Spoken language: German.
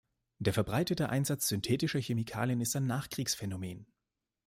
Der verbreitete Einsatz synthetischer Chemikalien ist ein Nachkriegsphänomen.